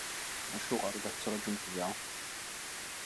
Acuɣer i la tettṛajumt da?